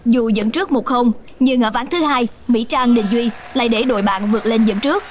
dù dẫn trước một nhưng ở ván thứ hai mỹ trang đình duy lại để đội bạn vượt lên dẫn trước